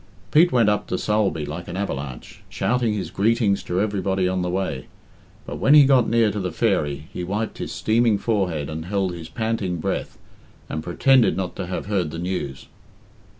Pete went up to Sulby like an avalanche, shouting his greetings to everybody on the way. But when he got near to the "Fairy," he wiped his steaming forehead and held his panting breath, and pretended not to have heard the news.